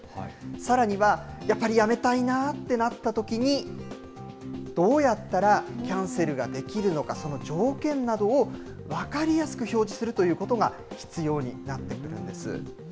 さらには、やっぱりやめたいなってなったときに、どうやったらキャンセルができるのか、その条件などを分かりやすく表示するということが必要になってくるんです。